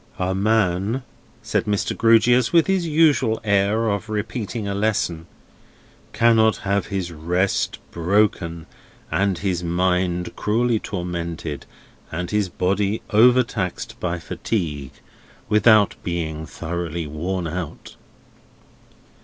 "A man," said Mr. Grewgious, with his usual air of repeating a lesson, "cannot have his rest broken, and his mind cruelly tormented, and his body overtaxed by fatigue, without being thoroughly worn out."